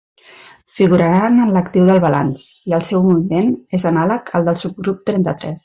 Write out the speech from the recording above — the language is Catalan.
Figuraran en l'actiu del balanç i el seu moviment és anàleg al del subgrup trenta-tres.